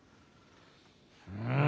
うん。